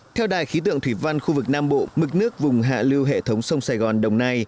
theo đài khí tượng thủy văn khu vực nam bộ mực nước vùng hạ lưu hệ thống sông sài gòn đồng nai